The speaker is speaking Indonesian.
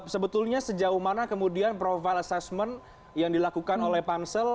sebetulnya sejauh mana kemudian profile assessment yang dilakukan oleh pansel